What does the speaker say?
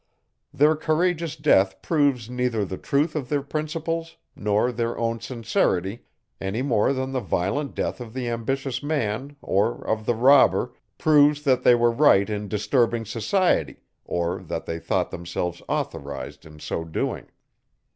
Their courageous death proves neither the truth of their principles nor their own sincerity, any more than the violent death of the ambitious man, or of the robber, proves, that they were right in disturbing society, or that they thought themselves authorised in so doing.